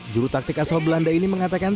juru taktik asal belanda ini mengatakan